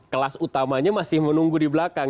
kelas utamanya masih menunggu di belakang